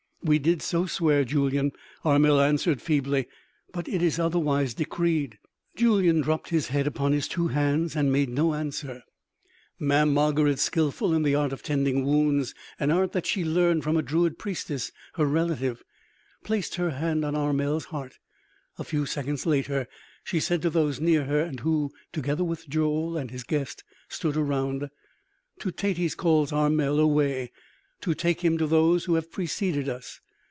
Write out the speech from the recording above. "We did so swear, Julyan," Armel answered feebly, "but it is otherwise decreed." Julyan dropped his head upon his two hands and made no answer. Mamm' Margarid, skillful in the art of tending wounds, an art that she learned from a druid priestess her relative, placed her hand on Armel's heart. A few seconds later she said to those near her and who, together with Joel and his guest, stood around: "Teutates calls Armel away to take him to those who have preceded us.